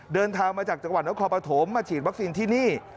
เดินทางมาจากจังหวัดนครปฐมมาฉีดวัคซีนที่นี่